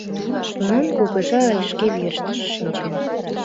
Тунам кугыжа але шке верыштыже шинчен.